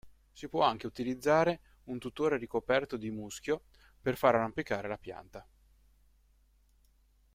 Si può anche utilizzare un tutore ricoperto di muschio per far arrampicare la pianta.